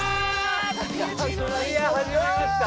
始まりました。